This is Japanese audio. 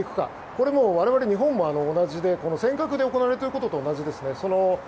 これ、我々日本も同じで尖閣で行われていることと同じですね。